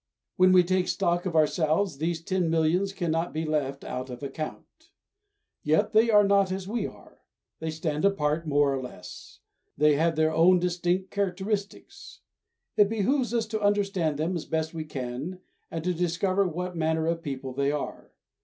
When we take stock of ourselves these ten millions cannot be left out of account. Yet they are not as we are; they stand apart, more or less; they have their own distinct characteristics. It behooves us to understand them as best we can and to discover what manner of people they are.